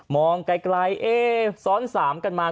มองไกลซ้อน๓กันมา